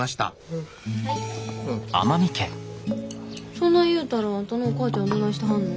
そない言うたらあんたのお母ちゃんどないしてはんの？